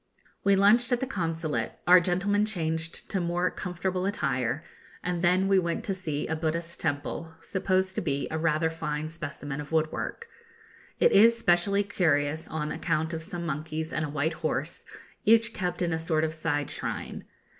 We lunched at the Consulate, our gentlemen changed to more comfortable attire, and then we went to see a Buddhist temple, supposed to be rather a fine specimen of woodwork. It is specially curious on account of some monkeys and a white horse, each kept in a sort of side shrine.